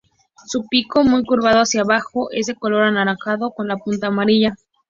Su pico, muy curvado hacia abajo, es de color anaranjado con la punta amarilla.